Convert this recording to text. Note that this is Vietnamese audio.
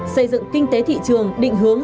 xây dựng kinh tế thị trường định hướng